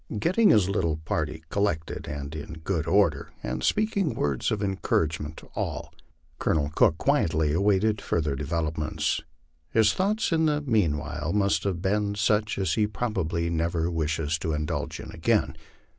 " Getting his little party collected in good order, and speaking words of en couragement to all, Colonel Cook quietly awaited further developments. His thoughts in the meanwhile must have been such as he probably never wishes to indulge in again.